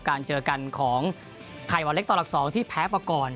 การเจอกันของไข่วันเล็กต่อหลัก๒ที่แพ้ประกอบ